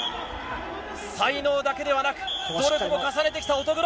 才能だけではなく努力も重ねてきた乙黒！